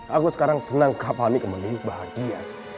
aku sekarang senang kak fani kembali bahagia